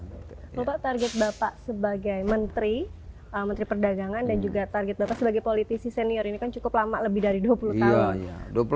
bapak target bapak sebagai menteri perdagangan dan juga target bapak sebagai politisi senior ini kan cukup lama lebih dari dua puluh tahun